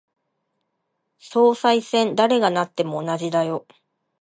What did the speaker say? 総裁選、誰がなっても同じだよ。